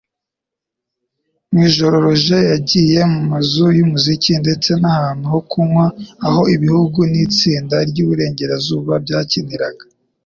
Mwijoro, Roger yagiye mu mazu yumuziki ndetse n'ahantu ho kunywa aho ibihugu n'itsinda ry'iburengerazuba byakiniraga.